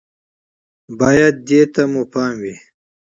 بايد دې ته مو پام وي